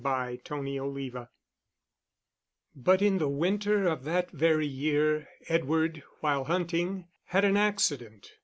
Chapter XXXV But in the winter of that very year Edward, while hunting, had an accident.